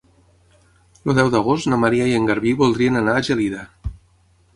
El deu d'agost na Maria i en Garbí voldrien anar a Gelida.